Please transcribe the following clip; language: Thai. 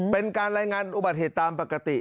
เป็นการรายงานอุบัติเหตุตามปกติ